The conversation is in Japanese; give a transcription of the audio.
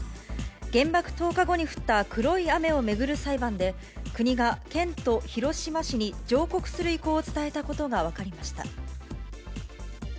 原爆投下後に降った黒い雨を巡る裁判で、国が県と広島市に上告する意向を伝えたことが分かりました。